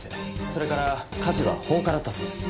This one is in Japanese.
それから火事は放火だったそうです。